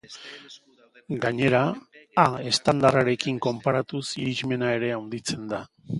Gainera, a estandarrarekin konparatuz irismena ere handitzen da.